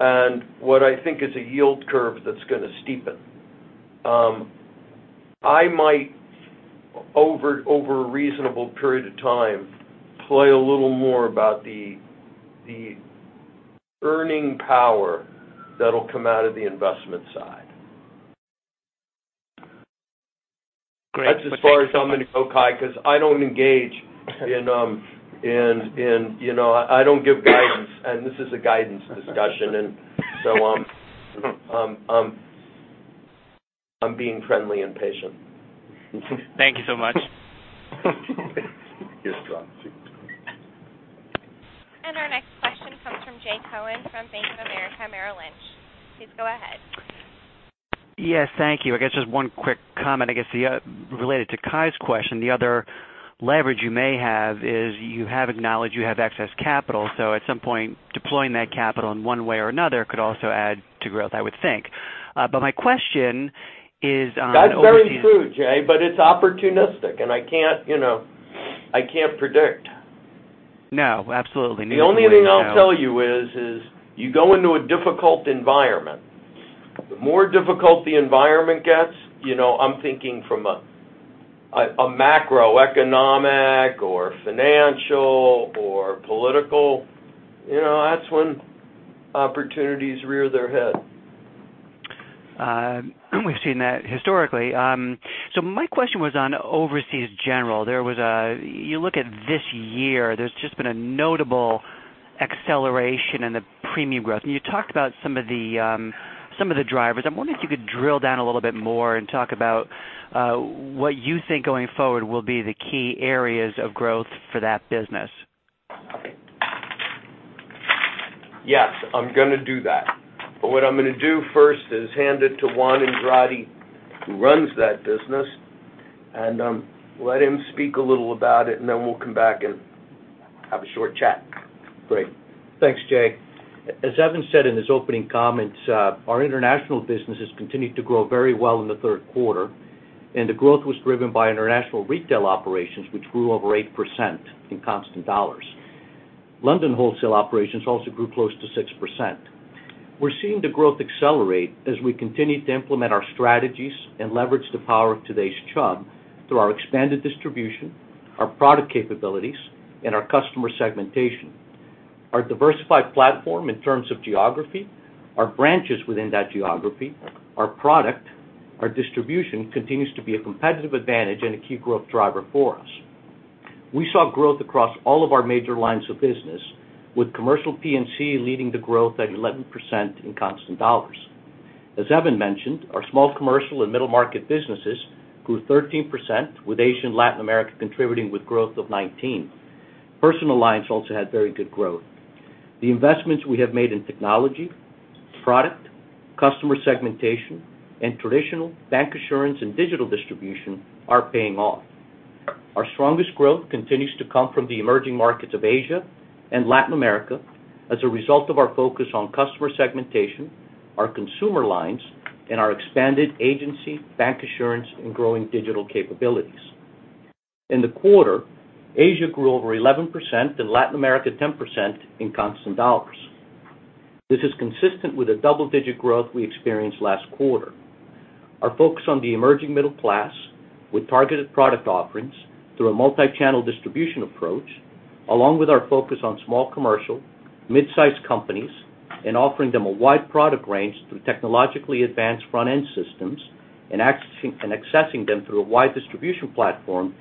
and what I think is a yield curve that's going to steepen, I might, over a reasonable period of time, play a little more about the earning power that'll come out of the investment side. Great. That's as far as I'm going to go, Kai, because I don't give guidance, and this is a guidance discussion. I'm being friendly and patient. Thank you so much. He's strong. Our next question comes from Jay Cohen from Bank of America Merrill Lynch. Please go ahead. Yes, thank you. I guess just one quick comment. I guess related to Kai's question, the other leverage you may have is you have acknowledged you have excess capital, so at some point, deploying that capital in one way or another could also add to growth, I would think. My question is on- That's very true, Jay, but it's opportunistic and I can't predict. No, absolutely. The only thing I'll tell you is you go into a difficult environment. The more difficult the environment gets, I'm thinking from a macroeconomic or financial or political, that's when opportunities rear their head. We've seen that historically. My question was on Overseas General. You look at this year, there's just been a notable acceleration in the premium growth. You talked about some of the drivers. I'm wondering if you could drill down a little bit more and talk about what you think going forward will be the key areas of growth for that business. Yes, I'm going to do that. What I'm going to do first is hand it to Juan Andrade, who runs that business, and let him speak a little about it, and then we'll come back and have a short chat. Great. Thanks, Jay. As Evan said in his opening comments, our international business has continued to grow very well in the third quarter. The growth was driven by international retail operations, which grew over 8% in constant dollars. London wholesale operations also grew close to 6%. We're seeing the growth accelerate as we continue to implement our strategies and leverage the power of today's Chubb through our expanded distribution, our product capabilities, and our customer segmentation. Our diversified platform in terms of geography, our branches within that geography, our product, our distribution continues to be a competitive advantage and a key growth driver for us. We saw growth across all of our major lines of business, with commercial P&C leading the growth at 11% in constant dollars. As Evan mentioned, our small commercial and middle market businesses grew 13%, with Asia and Latin America contributing with growth of 19%. Personal lines also had very good growth. The investments we have made in technology, product, customer segmentation, and traditional bank assurance and digital distribution are paying off. Our strongest growth continues to come from the emerging markets of Asia and Latin America as a result of our focus on customer segmentation, our consumer lines, and our expanded agency, bank assurance, and growing digital capabilities. In the quarter, Asia grew over 11% and Latin America 10% in constant dollars. This is consistent with the double-digit growth we experienced last quarter. Our focus on the emerging middle class with targeted product offerings through a multi-channel distribution approach, along with our focus on small commercial, mid-sized companies, and offering them a wide product range through technologically advanced front-end systems and accessing them through a wide distribution platform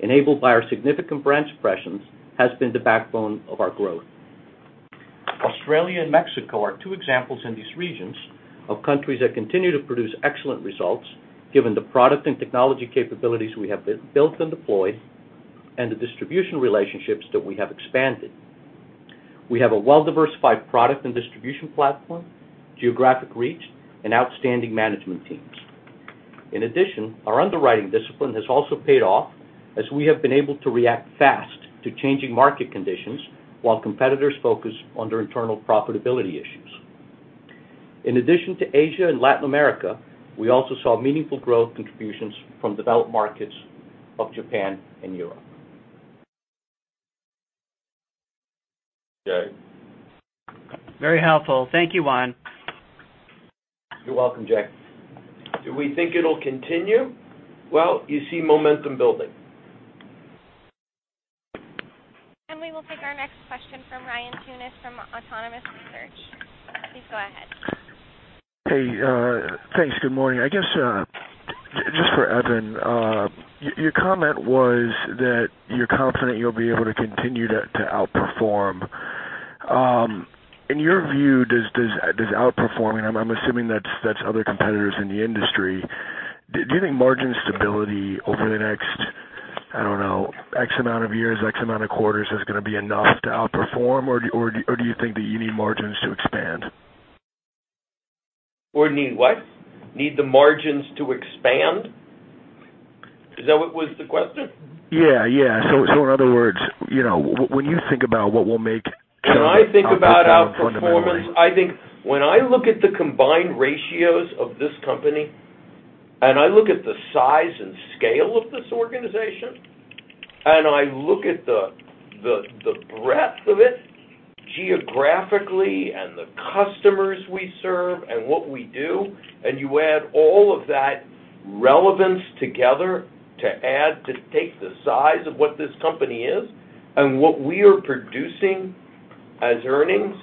enabled by our significant branch presence, has been the backbone of our growth. Australia and Mexico are two examples in these regions of countries that continue to produce excellent results given the product and technology capabilities we have built and deployed and the distribution relationships that we have expanded. We have a well-diversified product and distribution platform, geographic reach, and outstanding management teams. In addition, our underwriting discipline has also paid off as we have been able to react fast to changing market conditions while competitors focus on their internal profitability issues. In addition to Asia and Latin America, we also saw meaningful growth contributions from developed markets of Japan and Europe. Jay. Very helpful. Thank you, Juan. You're welcome, Jay. Do we think it'll continue? Well, you see momentum building. We will take our next question from Ryan Tunis from Autonomous Research. Please go ahead. Hey, thanks. Good morning. I guess, just for Evan, your comment was that you're confident you'll be able to continue to outperform. In your view, does outperforming, I'm assuming that's other competitors in the industry, do you think margin stability over the next, I don't know, X amount of years, X amount of quarters, is going to be enough to outperform? Do you think that you need margins to expand? Need what? Need the margins to expand? Is that what was the question? Yeah. In other words, when you think about what will make kind of outperform fundamentally- When I think about outperformance, I think when I look at the combined ratios of this company, I look at the size and scale of this organization, I look at the breadth of it geographically and the customers we serve and what we do, you add all of that relevance together to take the size of what this company is and what we are producing as earnings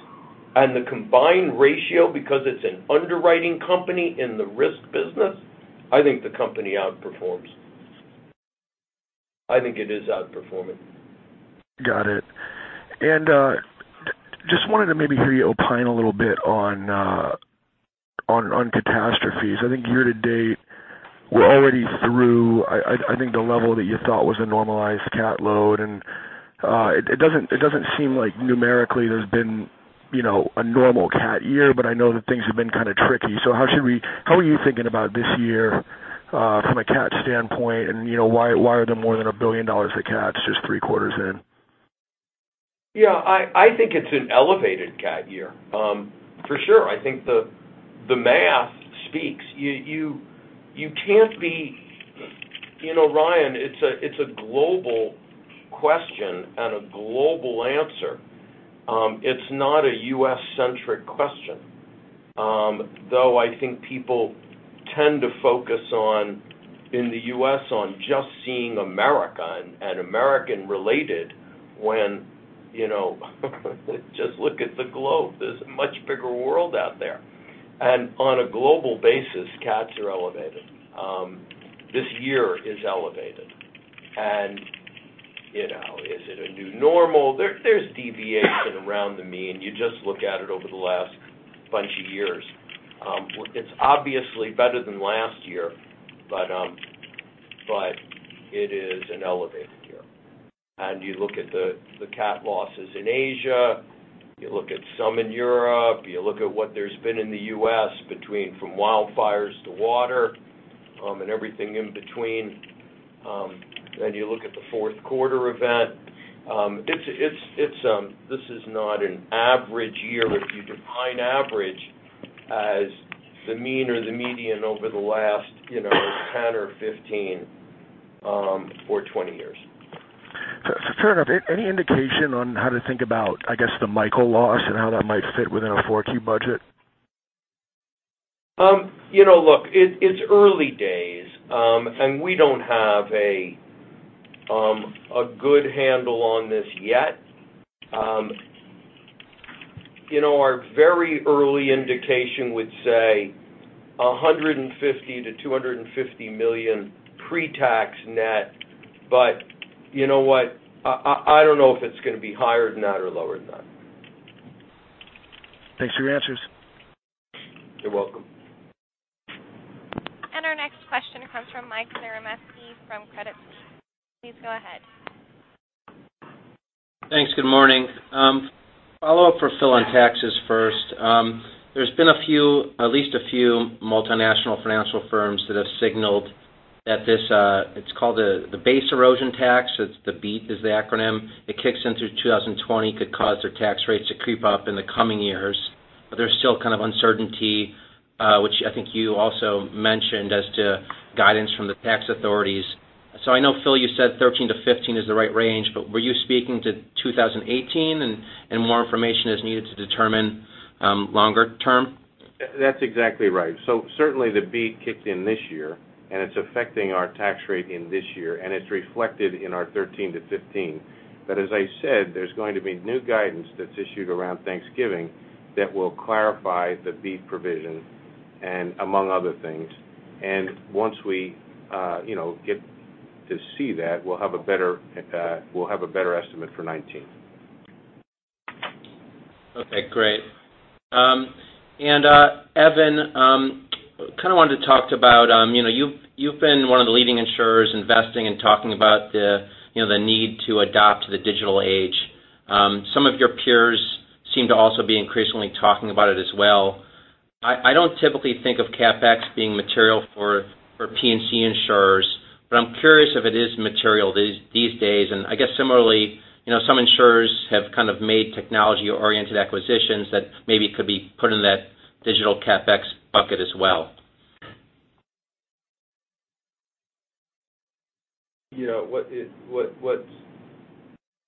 and the combined ratio because it's an underwriting company in the risk business, I think the company outperforms. I think it is outperforming. Got it. Just wanted to maybe hear you opine a little bit on catastrophes. I think year to date, we're already through, I think, the level that you thought was a normalized cat load, and it doesn't seem like numerically there's been a normal cat year, but I know that things have been kind of tricky. How are you thinking about this year from a cat standpoint, and why are there more than $1 billion of cats just three quarters in? I think it's an elevated cat year. For sure. I think the math speaks. Ryan, it's a global question and a global answer. It's not a U.S.-centric question. I think people tend to focus in the U.S. on just seeing America and American-related when, just look at the globe. There's a much bigger world out there. On a global basis, cats are elevated. This year is elevated. Is it a new normal? There's deviation around the mean. You just look at it over the last bunch of years. It's obviously better than last year, but it is an elevated year. You look at the cat losses in Asia, you look at some in Europe, you look at what there's been in the U.S. between from wildfires to water, and everything in between, and you look at the fourth quarter event. This is not an average year if you define average as the mean or the median over the last 10 or 15 or 20 years. Fair enough. Any indication on how to think about the Michael loss and how that might fit within a 4Q budget? Look, it's early days. We don't have a good handle on this yet. Our very early indication would say $150 million-$250 million pre-tax net. You know what? I don't know if it's going to be higher than that or lower than that. Thanks for your answers. You're welcome. Our next question comes from Mike Zaremski from Credit Suisse. Please go ahead. Thanks. Good morning. Follow-up for Phil on taxes first. There's been at least a few multinational financial firms that have signaled that this, it's called the Base Erosion Tax. The BEAT is the acronym. It kicks in through 2020, could cause their tax rates to creep up in the coming years. There's still kind of uncertainty, which I think you also mentioned as to guidance from the tax authorities. I know, Phil, you said 13 to 15 is the right range, but were you speaking to 2018 and more information is needed to determine longer term? That's exactly right. Certainly the BEAT kicked in this year, and it's affecting our tax rate in this year, and it's reflected in our 13 to 15. As I said, there's going to be new guidance that's issued around Thanksgiving that will clarify the BEAT provision and among other things. Once we get to see that, we'll have a better estimate for 2019. Okay, great. Evan, kind of wanted to talk about, you've been one of the leading insurers investing and talking about the need to adopt the digital age. Some of your peer- Also be increasingly talking about it as well. I don't typically think of CapEx being material for P&C insurers, but I'm curious if it is material these days. I guess similarly, some insurers have kind of made technology-oriented acquisitions that maybe could be put in that digital CapEx bucket as well.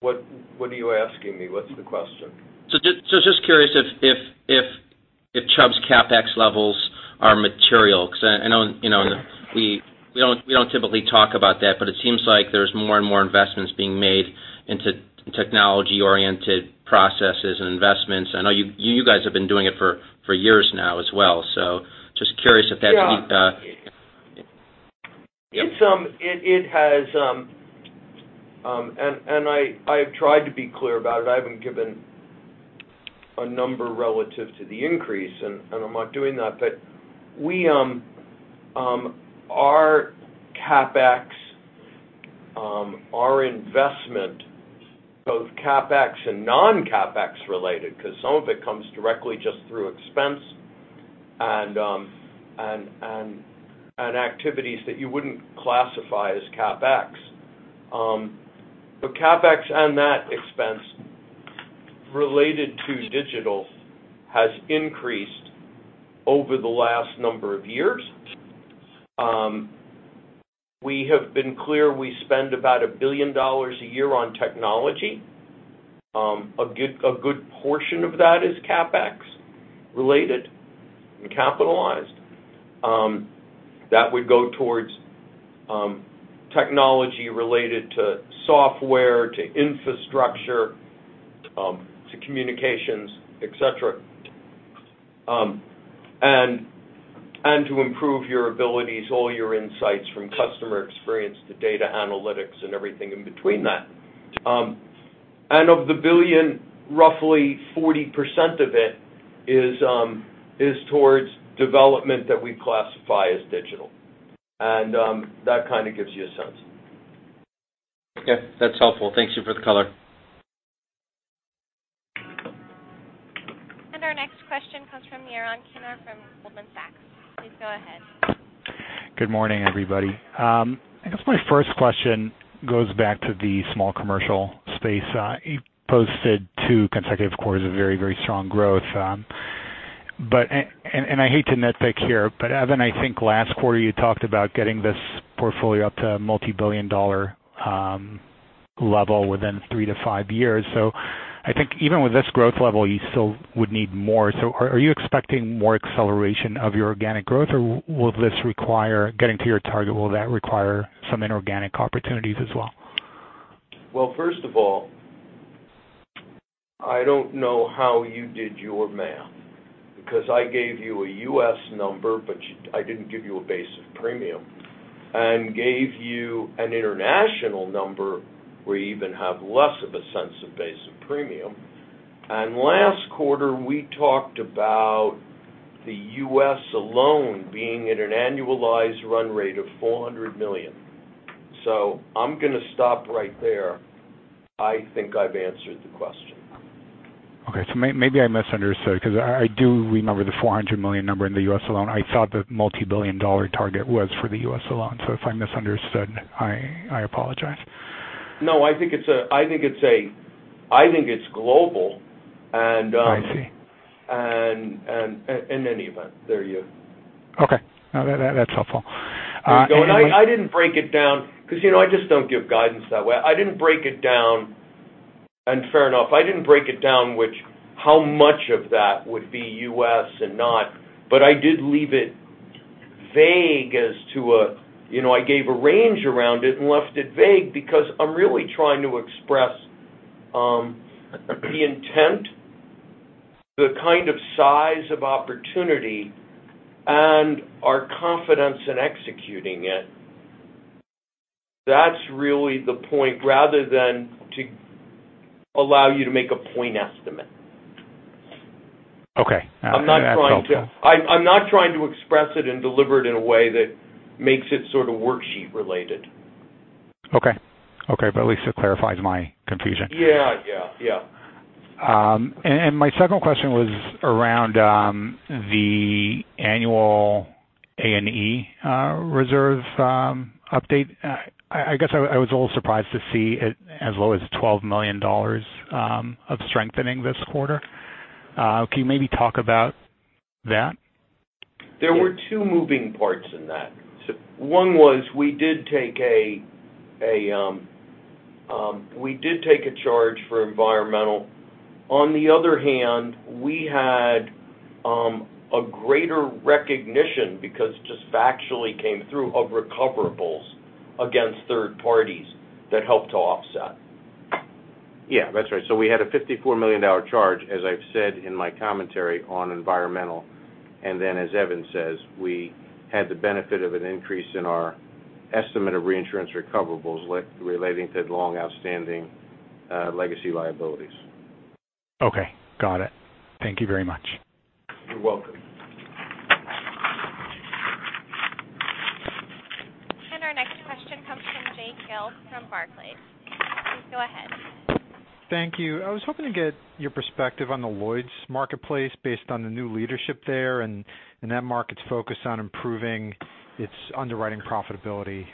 What are you asking me? What's the question? Just curious if Chubb's CapEx levels are material, because we don't typically talk about that, but it seems like there's more and more investments being made into technology-oriented processes and investments. I know you guys have been doing it for years now as well. Just curious if that. Yeah. I've tried to be clear about it. I haven't given a number relative to the increase, and I'm not doing that. Our CapEx, our investment, both CapEx and non-CapEx related, because some of it comes directly just through expense and activities that you wouldn't classify as CapEx. CapEx and that expense related to digital has increased over the last number of years. We have been clear, we spend about $1 billion a year on technology. A good portion of that is CapEx related and capitalized. That would go towards technology related to software, to infrastructure, to communications, et cetera. To improve your abilities, all your insights from customer experience to data analytics and everything in between that. Of the $1 billion, roughly 40% of it is towards development that we classify as digital. That kind of gives you a sense. Okay. That's helpful. Thank you for the color. Our next question comes from Yaron Kinar from Goldman Sachs. Please go ahead. Good morning, everybody. I guess my first question goes back to the small commercial space. You posted two consecutive quarters of very, very strong growth. I hate to nitpick here, but Evan, I think last quarter you talked about getting this portfolio up to a multibillion-dollar level within three to five years. I think even with this growth level, you still would need more. Are you expecting more acceleration of your organic growth, or will this require getting to your target, will that require some inorganic opportunities as well? Well, first of all, I don't know how you did your math because I gave you a U.S. number, but I didn't give you a base of premium and gave you an international number where you even have less of a sense of base of premium. Last quarter, we talked about the U.S. alone being at an annualized run rate of $400 million. I'm going to stop right there. I think I've answered the question. Okay. Maybe I misunderstood because I do remember the $400 million number in the U.S. alone. I thought the multibillion-dollar target was for the U.S. alone. If I misunderstood, I apologize. No, I think it's global. I see. In any event, there you go. Okay. No, that's helpful. I didn't break it down because I just don't give guidance that way. I didn't break it down, and fair enough, I didn't break it down which how much of that would be U.S. and not, but I did leave it vague as to, I gave a range around it and left it vague because I'm really trying to express the intent, the kind of size of opportunity, and our confidence in executing it. That's really the point, rather than to allow you to make a point estimate. Okay. That's helpful. I'm not trying to express it and deliver it in a way that makes it sort of worksheet related. Okay. At least it clarifies my confusion. Yeah. My second question was around the annual A&E reserve update. I guess I was a little surprised to see it as low as $12 million of strengthening this quarter. Can you maybe talk about that? There were two moving parts in that. One was we did take a charge for environmental. On the other hand, we had a greater recognition because just factually came through of recoverables against third parties that helped to offset. Yeah, that's right. We had a $54 million charge, as I've said in my commentary on environmental. As Evan says, we had the benefit of an increase in our estimate of reinsurance recoverables relating to long outstanding legacy liabilities. Okay. Got it. Thank you very much. You're welcome. Please go ahead. Thank you. I was hoping to get your perspective on the Lloyd's marketplace based on the new leadership there and that market's focus on improving its underwriting profitability.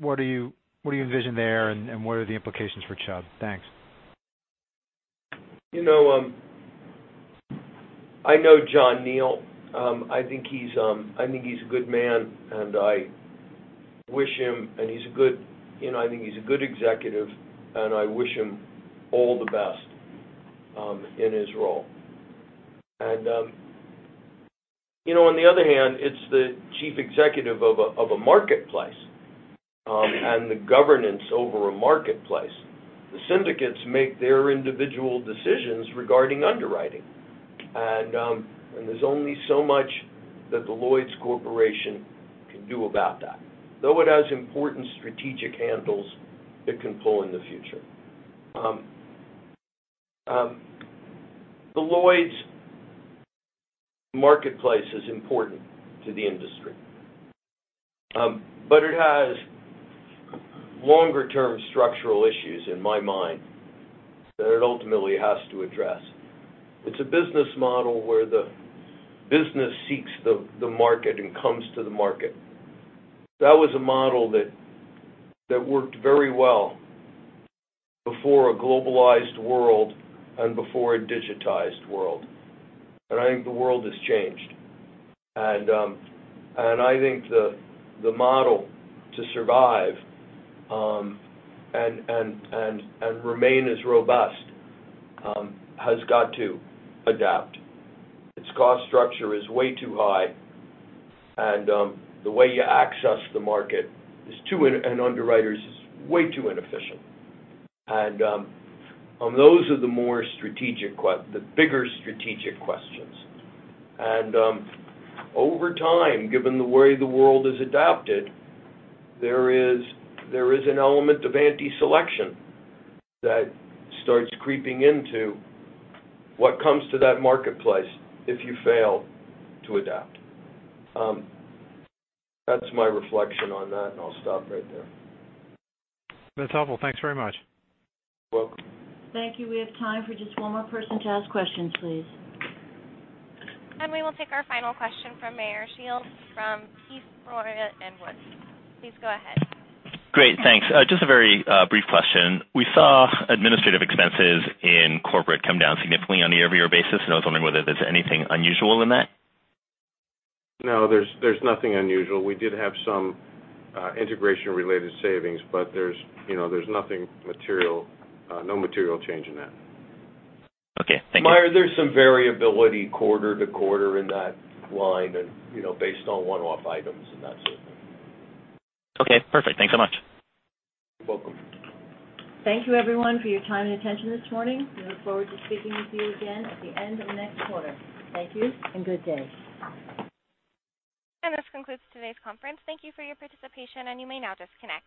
What do you envision there, and what are the implications for Chubb? Thanks. I know John Neal. I think he's a good man, and I think he's a good executive, and I wish him all the best in his role. On the other hand, it's the chief executive of a marketplace and the governance over a marketplace. The syndicates make their individual decisions regarding underwriting, and there's only so much that the Lloyd's Corporation can do about that, though it has important strategic handles it can pull in the future. The Lloyd's marketplace is important to the industry, but it has longer-term structural issues in my mind that it ultimately has to address. It's a business model where the business seeks the market and comes to the market. That was a model that worked very well before a globalized world and before a digitized world. I think the world has changed, and I think the model to survive and remain as robust has got to adapt. Its cost structure is way too high, and the way you access the market and underwriters is way too inefficient. Those are the bigger strategic questions. Over time, given the way the world has adapted, there is an element of anti-selection that starts creeping into what comes to that marketplace if you fail to adapt. That's my reflection on that, and I'll stop right there. That's helpful. Thanks very much. You're welcome. Thank you. We have time for just one more person to ask questions, please. We will take our final question from Meyer Shields from Keefe, Bruyette & Woods. Please go ahead. Great, thanks. Just a very brief question. We saw administrative expenses in corporate come down significantly on a year-over-year basis, and I was wondering whether there's anything unusual in that. No, there's nothing unusual. We did have some integration related savings, but there's no material change in that. Okay. Thank you. Meyer, there's some variability quarter to quarter in that line and based on one-off items and that sort of thing. Okay, perfect. Thanks so much. You're welcome. Thank you everyone for your time and attention this morning. We look forward to speaking with you again at the end of next quarter. Thank you and good day. This concludes today's conference. Thank you for your participation, and you may now disconnect.